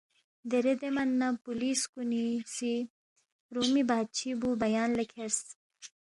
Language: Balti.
دیرے دے من نہ پولِیس کُنی سی رومی بادشی بُو بیان لہ کھیرس